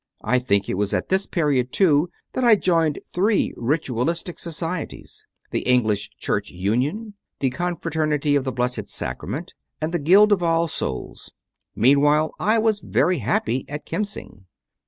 I think it was at this period too that I joined three Ritualistic societies the "English Church Union," the "Con CONFESSIONS OF A CONVERT 51 fraternity of the Blessed Sacrament," and the "Guild of All Souls." Meantime I was very happy at Kemsing.